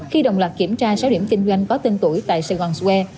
khi đồng lạc kiểm tra sáu điểm kinh doanh có tên tuổi tại sài gòn square